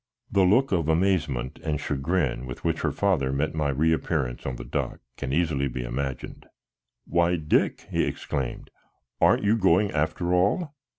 The look of amazement and chagrin with which her father met my reappearance on the dock can easily be imagined. "Why, Dick," he exclaimed, "aren't you going after all?